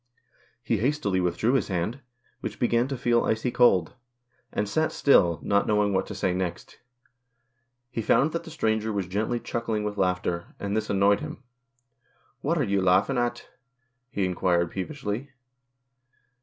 He hastily withdrew his hand, which began to feel icy cold, and sat still, not knowing what 180 THE KIRK SPOOK. to say next. He found tliat the stranger was gently chuckling with laughter, and this annoyed him." "What are you laughing at?" he enquired peevishly.